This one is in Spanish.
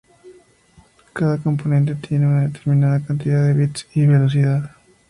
Cada componente tiene una determinada cantidad de bits y velocidad.